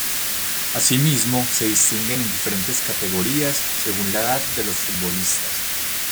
Asimismo, se distinguen en diferentes categorías según la edad de los futbolistas.